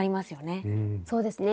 そうですね。